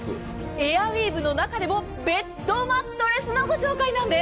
エアウィーヴの中でもベッドマットレスのご紹介なんです。